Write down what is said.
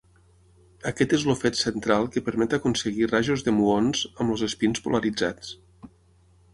Aquest és el fet central que permet aconseguir rajos de muons amb els espins polaritzats.